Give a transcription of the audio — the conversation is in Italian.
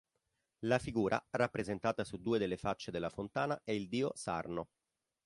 La figura rappresentata su due delle facce della fontana è il dio "Sarno".